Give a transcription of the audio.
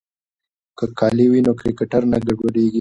که کالي وي نو کرکټر نه ګډوډیږي.